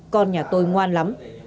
con nhà tôi ngoan lắm